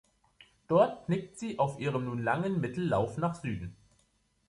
Dort knickt sie auf ihren nun langen Mittellauf nach Süden.